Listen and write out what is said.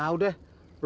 yang itu masih dikubur